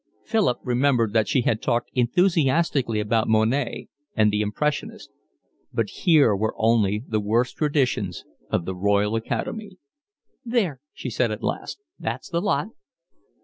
Philip remembered that she had talked enthusiastically about Monet and the Impressionists, but here were only the worst traditions of the Royal Academy. "There," she said at last, "that's the lot."